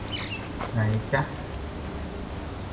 ไหนจ้ะ